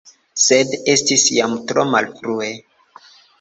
Sed estis jam tro malfrue.